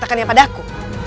katakannya pada aku